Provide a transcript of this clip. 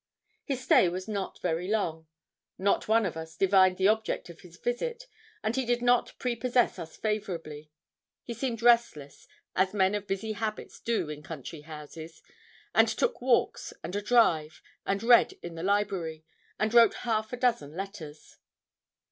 His stay was not very long; not one of us divined the object of his visit, and he did not prepossess us favourably. He seemed restless, as men of busy habits do in country houses, and took walks, and a drive, and read in the library, and wrote half a dozen letters.